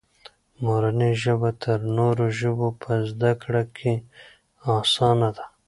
مورنۍ ژبه تر نورو ژبو په زده کړه کې اسانه ده.